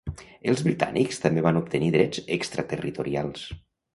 Els britànics també van obtenir drets extraterritorials.